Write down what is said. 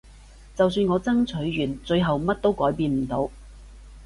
就算我爭取完最後乜都改變唔到